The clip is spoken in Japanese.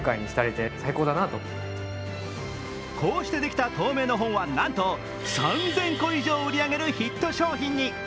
こうしてできた透明の本はなんと３０００個以上売り上げるヒット商品に。